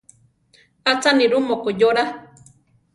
Acha nirú mokoyóra.